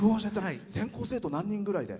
全校生徒何人ぐらいで？